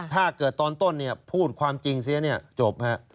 ถ้าเกิดตอนต้นเนี่ยพูดความจริงเสียเนี่ยจบ